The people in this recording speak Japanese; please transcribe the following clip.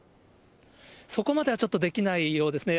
そこまではちょっとできないようですね。